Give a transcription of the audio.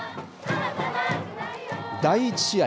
第１試合。